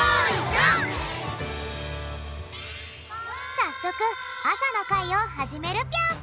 さっそくあさのかいをはじめるぴょん！